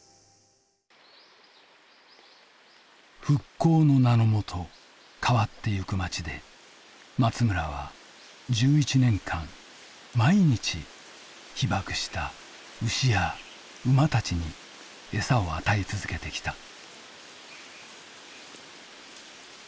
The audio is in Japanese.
「復興」の名の下変わってゆく町で松村は１１年間毎日被ばくした牛や馬たちに餌を与え続けてきた。